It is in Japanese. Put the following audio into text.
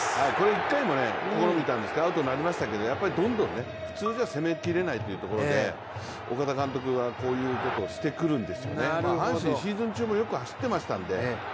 １回も試みたんですがアウトになりましたけれども、やっぱりどんどん、普通では攻めきれないというところで岡田監督がこういうことをしてくるんですよね、阪神、シーズン中でもよく走っていましたので。